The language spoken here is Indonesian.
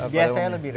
biasanya lebih rendah